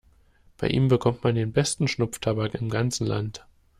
Bei ihm bekommt man den besten Schnupftabak im ganzen Land.